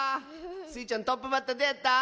スイちゃんトップバッターどうやった？